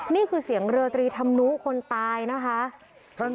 นี่คือเสียงเรือตรีธรรมนุคนตายนะคะ